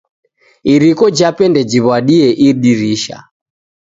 Iriko jape ndejiw'adie idirisha!